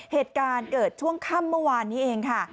เหตุการณ์เกิดช่วงค่ำเมื่อวานนี้เองค่ะ